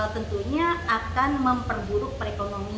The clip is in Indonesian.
tentunya akan memperburuk perekonomian